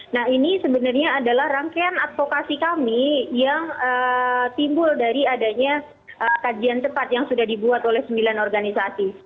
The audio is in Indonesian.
nah ini sebenarnya adalah rangkaian advokasi kami yang timbul dari adanya kajian cepat yang sudah dibuat oleh sembilan organisasi